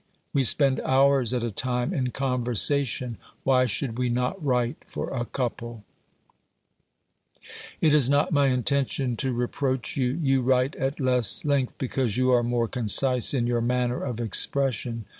We spend hours at a time in conversation, why should we not write for a couple ? It is not my intention to reproach you. You write at less length because you are more concise in your manner of expression.